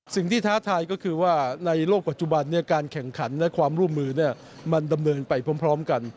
ท้าทายก็คือว่าในโลกปัจจุบันการแข่งขันและความร่วมมือมันดำเนินไปพร้อมกัน